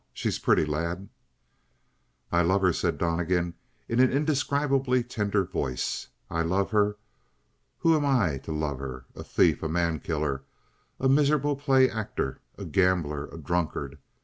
She's pretty, lad!" "I love her?" said Donnegan in an indescribably tender voice. "I love her? Who am I to love her? A thief, a man killer, a miserable play actor, a gambler, a drunkard.